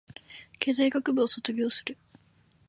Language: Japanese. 経済学部を卒業する